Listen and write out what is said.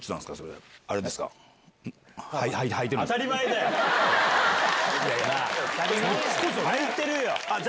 はいてるよ！いや。